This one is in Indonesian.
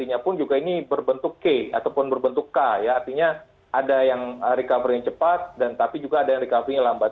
artinya pun juga ini berbentuk k artinya ada yang recovery nya cepat tapi juga ada yang recovery nya lambat